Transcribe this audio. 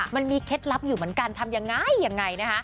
เคล็ดลับอยู่เหมือนกันทำยังไงยังไงนะคะ